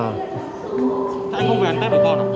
anh không về ăn tết với con không